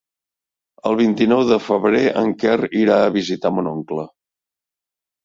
El vint-i-nou de febrer en Quer irà a visitar mon oncle.